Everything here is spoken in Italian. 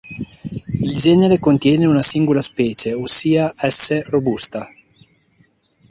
Il genere contiene un singola specie, ossia "S. robusta".